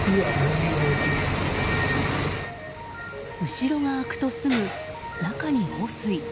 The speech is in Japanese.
後ろが開くと、すぐ中に放水。